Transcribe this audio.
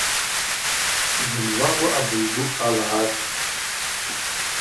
Зынла ауаъа быжь дукӏ гӏалагӏатӏ.